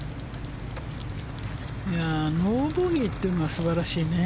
ノーボギーというのは素晴らしいね。